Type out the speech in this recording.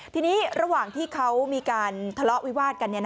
ทีนี้ระหว่างที่เขามีการทะเลาะวิวาดกัน